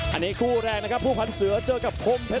อันนี้คู่แรกนะครับผู้พันท์เสือเจอกับ